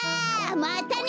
またね！